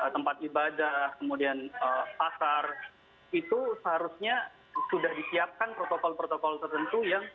tempat ibadah kemudian pasar itu seharusnya sudah disiapkan protokol protokol tertentu yang